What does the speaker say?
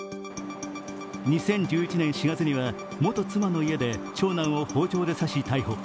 ２０１１年４月には元妻の家で長男を包丁で刺し逮捕。